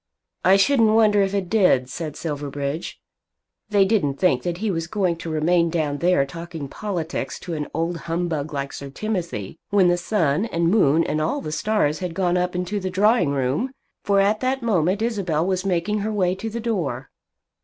"I shouldn't wonder if it did," said Silverbridge. They didn't think that he was going to remain down there talking politics to an old humbug like Sir Timothy when the sun, and moon, and all the stars had gone up into the drawing room! For at that moment Isabel was making her way to the door.